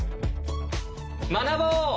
学ぼう！